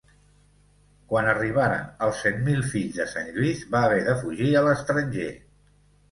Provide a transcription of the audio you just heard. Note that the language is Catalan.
Quan arribaren els Cent Mil Fills de Sant Lluís va haver de fugir a l'estranger.